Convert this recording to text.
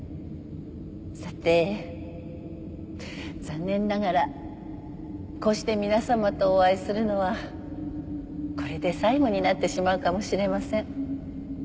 さて残念ながらこうして皆さまとお会いするのはこれで最後になってしまうかもしれません。